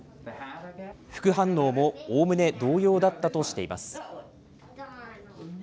副反応もおおむね同様だったとしています。